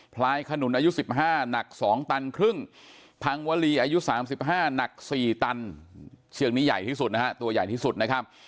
พลายขนุนอายุ๑๕หนัก๒ตันครึ่งพังวลีอายุ๓๕หนัก๔ตันเชือกนี้ใหญ่ที่สุดนะฮะตัวใหญ่ที่สุดนะครับ